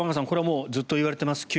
これはずっと言われています。